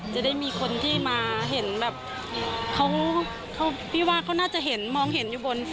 จะได้มีคนที่มาเห็นแบบเขาพี่ว่าเขาน่าจะเห็นมองเห็นอยู่บน